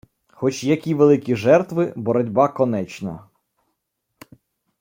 Хоч які великі жертви — боротьба конечна.